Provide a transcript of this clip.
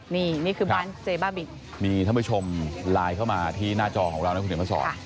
นี่นี่คือบ้านเจ๊บ้าบินมีท่านผู้ชมไลน์เข้ามาที่หน้าจอของเรานะคุณเดี๋ยวมาสอน